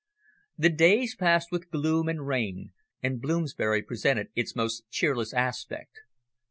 The days passed with gloom and rain, and Bloomsbury presented its most cheerless aspect.